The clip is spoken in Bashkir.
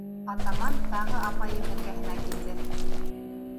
Атаман тағы апайым эргәһенә килде.